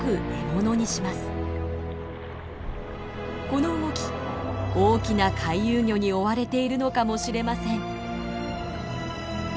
この動き大きな回遊魚に追われているのかもしれません。